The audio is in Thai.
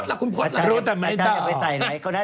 อาจารย์จะไปใส่ไหน